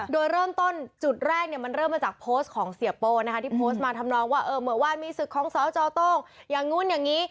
โดยเริ่มต้นจุดแรกมันเริ่มมาจากโพสต์ของเสียโป้นะคะที่โพสต์มาทำนองว่าเมื่อวานมีศึกของสจโต้งอย่างนู้นอย่างนี้